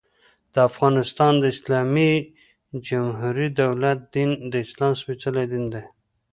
د افغانستان د اسلامي جمهوري دولت دين، د اسلام سپيڅلی دين دى.